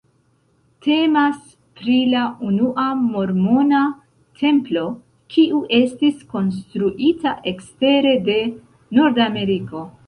Temas pri la unua mormona templo, kiu estis konstruita ekstere de Nordameriko.